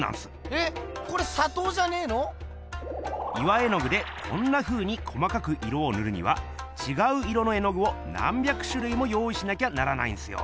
えっこれさとうじゃねえの⁉岩絵具でこんなふうに細かく色をぬるにはちがう色の絵のぐを何百しゅるいも用いしなきゃならないんすよ。